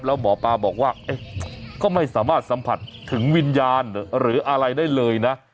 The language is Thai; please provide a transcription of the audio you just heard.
เอ๊ะก็ไม่สามารถสัมผัสถึงวิญญาณหรืออะไรได้เลยนะ